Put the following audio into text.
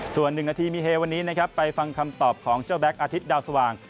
ส่วน๑นาทีมีเฮวันนี้นะครับไปฟังคำตอบของเจ้าแบ็คอาทิตย์ดาวสว่าง